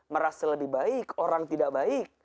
merasa lebih baik orang tidak baik